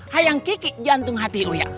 hayang kiki jantung hati uya